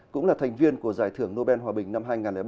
cũng là thành viên của giải thưởng nobel hòa bình năm hai nghìn bảy